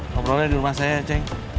ngobrolnya di rumah saya ceng